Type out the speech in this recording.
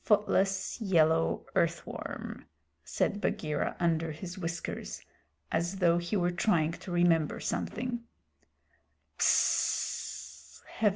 "Footless, yellow earth worm," said Bagheera under his whiskers, as though he were trying to remember something.